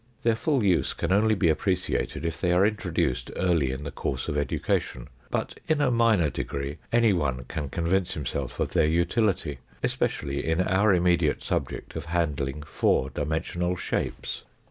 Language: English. Their full use can only be appreciated, if they are introduced early in the course of education ; but in a minor degree any one can convince himself of their utility, especially in our immediate subject of handling four dimensional shapes.